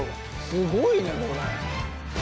すごいねこれ。